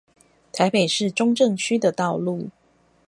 台北市中正區的道路